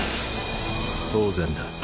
当然だ。